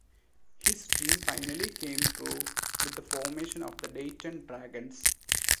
His dream finally came true with the formation of the Dayton Dragons.